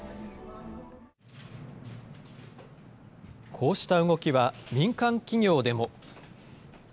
こうした動きは民間企業でも。